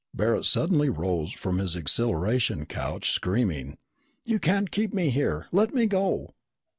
Barret suddenly rose from his acceleration couch, screaming, "You can't keep me here! Let me go!"